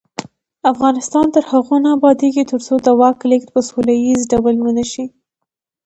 افغانستان تر هغو نه ابادیږي، ترڅو د واک لیږد په سوله ییز ډول ونشي.